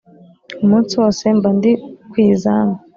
umunsi wose mba ndi ku izamu,